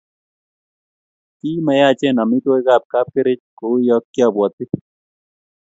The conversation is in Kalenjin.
ki ma yaachen amitwokikab kapkerich kou ya kiabwoti